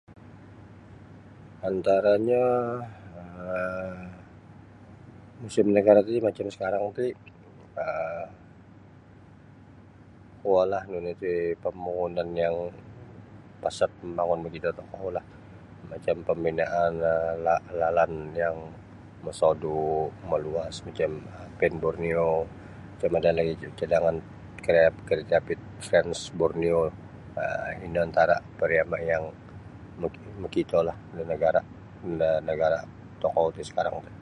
Antaranyo um musim nagara titi macam sakarang ti um kuo la nunu iti pambangunan yang pesat mambangun makito tokou lah macam pambinaan um lalan yang mosodu maluas macam um Pan Borneo macam ada lagi cadangan kre-keretapi trans borneo um ino antara pariama yang makito da nagara da nagara tokou ti sakarang ti.